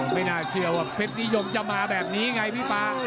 ไม่น่าเชื่อว่าเพศนิยมจะมาแบบนี้พีบัล